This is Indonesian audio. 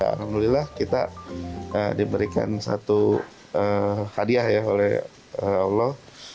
alhamdulillah kita diberikan satu hadiah ya oleh allah